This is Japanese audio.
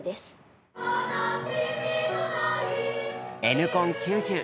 「Ｎコン９０」